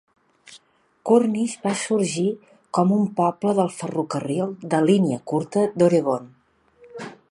Cornish va sorgir com un poble del ferrocarril de línia curta d'Oregon.